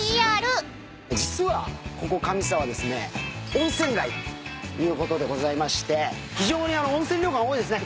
温泉街ということでございまして非常に温泉旅館多いですね。